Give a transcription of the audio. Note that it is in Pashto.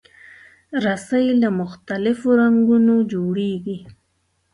رسۍ له مختلفو رنګونو جوړېږي.